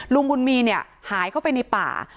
ลุงบุญมีเนี่ยหายเข้าไปในป่า